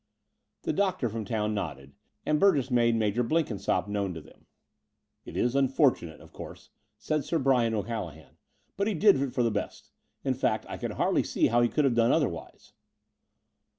" The doctor from town nodded; and Burgess made Major Blenkinsopp known to them. "It is unfortunate, of course," said Sir Bryan O'Callaghan: "but he did it for the best. In fact I hardly see how he could have done otherwise."